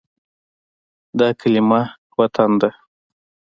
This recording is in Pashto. دا کلمه “وطن” ده.